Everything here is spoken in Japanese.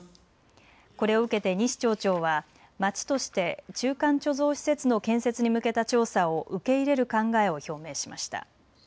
これを受けて西町長は町として中間貯蔵施設の建設に向けた調査を受け入れる考えを表明しました。